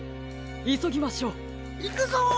いそぎましょう。いくぞ！